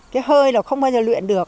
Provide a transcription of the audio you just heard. cái hơi là không bao giờ luyện được